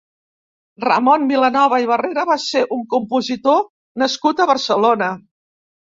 Ramon Vilanova i Barrera va ser un compositor nascut a Barcelona.